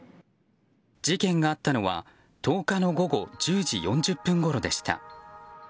事件があったのは、１０日の午後１０時４０分ごろでした。